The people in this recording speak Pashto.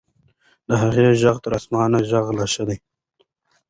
د هغې ږغ تر آسماني ږغ لا ښه و.